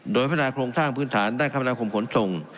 โดยพัฒนาโครงสร้างพื้นฐานด้านคมนาคมขนส่ง